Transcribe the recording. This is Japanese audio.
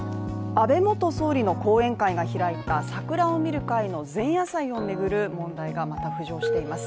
安倍元総理の後援会が開いた桜を見る会の前夜祭を巡る問題がまた浮上しています。